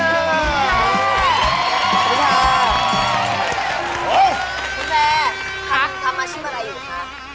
คุณแฟดคำมีชื่ออะไรอยู่คะค่ะ